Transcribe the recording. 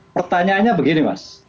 pertanyaannya begini mas